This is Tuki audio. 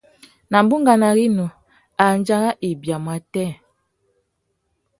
Nà bunganô rinú, andjara i biamú atê?